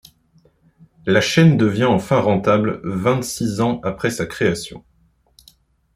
La chaîne devient enfin rentable vingt-six ans après sa création.